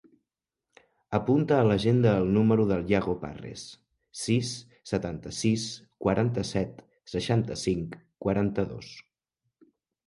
Apunta a l'agenda el número del Yago Parres: sis, setanta-sis, quaranta-set, seixanta-cinc, quaranta-dos.